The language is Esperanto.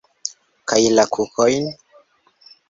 Kaj la kukojn?